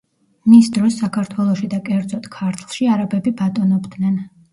მის დროს საქართველოში და კერძოდ ქართლში არაბები ბატონობდნენ.